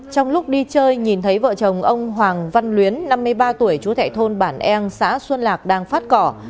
trong lúc đi chơi nhìn thấy vợ chồng ông hoàng văn luyến năm mươi ba tuổi chú thệ thôn bản eng xã xuân lạc đang phát cỏ